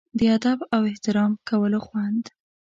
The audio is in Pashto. د ادب او احترام کولو خوند.